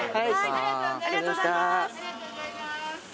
ありがとうございます。